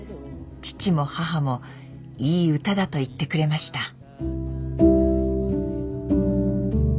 父も母も「いい歌だ」と言ってくれました。